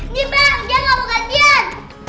nih bang dia gak mau kajian